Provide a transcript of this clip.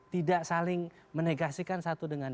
tidak saling menegasikan satu dengan